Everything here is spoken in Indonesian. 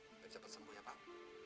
biar cepat sembuh ya pak